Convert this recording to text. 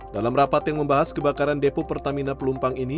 dalam rapat yang membahas kebakaran depo pertamina pelumpang ini